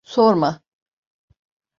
Sorma.